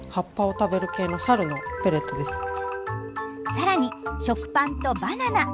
さらに食パンとバナナ。